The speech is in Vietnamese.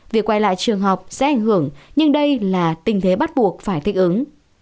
việc quay lại trường học sẽ ảnh hưởng nhưng đây là tình thế bắt buộc phải thích ứng